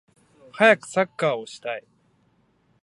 はやくサッカーをしたい